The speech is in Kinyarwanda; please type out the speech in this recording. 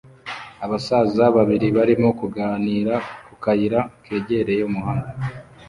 Abasaza babiri barimo kuganira ku kayira kegereye umuhanda